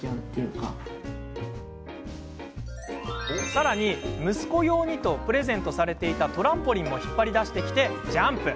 さらに息子用にとプレゼントされていたトランポリンも引っ張り出してきて、ジャンプ。